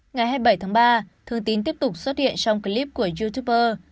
ngày hai mươi bảy tháng ba thường tín tiếp tục xuất hiện trong clip của youtuber